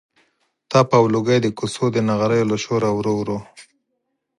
تپ او لوګی د کوڅو د نغریو له شوره ورو ورو.